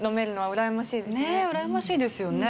うらやましいですよね。